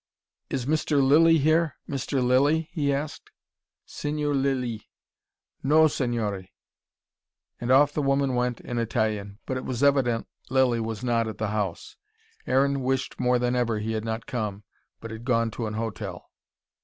"Is Mr. Lilly here? Mr. Lilly?" he asked. "Signor Lillee. No, Signore " And off the woman went in Italian. But it was evident Lilly was not at the house. Aaron wished more than ever he had not come, but had gone to an hotel.